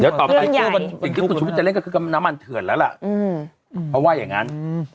เดี๋ยวต่อไปสิ่งที่คุณชุวิตจะเล่นก็คือน้ำมันเถื่อนแล้วล่ะเพราะว่าอย่างนั้น